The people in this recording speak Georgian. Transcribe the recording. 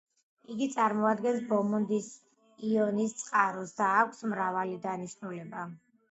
იგი წარმოადგენს ბრომიდის იონის წყაროს და აქვს მრავალი დანიშნულება.